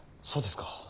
そうですか。